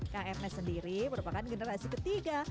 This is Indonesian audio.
kang ernest sendiri merupakan generasi ketiga